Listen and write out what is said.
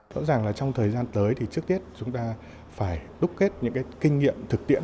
rõ ràng là trong thời gian tới thì trước tết chúng ta phải đúc kết những cái kinh nghiệm thực tiễn